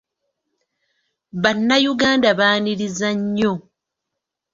Bannayuganda baaniriza nnyo.